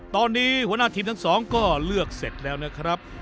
ตอนนี้หัวหน้าทีมทั้งสองก็เลือกเสร็จแล้วนะครับ